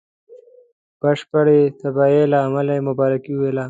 بشپړي تباهی له امله مبارکي وویله.